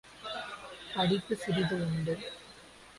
படிப்பு சிறிது உண்டு.